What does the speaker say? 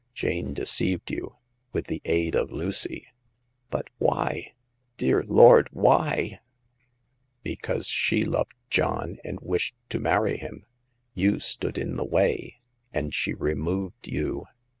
Jane deceived you, with the aid of Lucy !"But why, dear Lord, why ?"" Because she loved John and wished to marry him. You stood in the way, and she removed you.